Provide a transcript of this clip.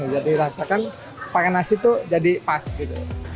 jadi rasakan pakai nasi tuh jadi pas gitu